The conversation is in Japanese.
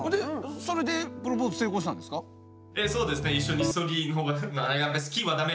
それでプロポーズ成功したんですか？